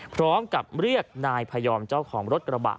พร้อมกับเรียกนายพยอมเจ้าของรถกระบะ